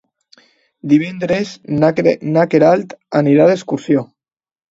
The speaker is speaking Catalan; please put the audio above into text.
Divendres na Queralt anirà d'excursió.